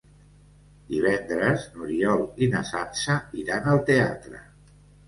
Divendres n'Oriol i na Sança iran al teatre.